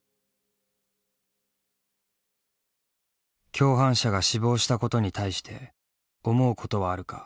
「共犯者が死亡したことに対して思うことはあるか」。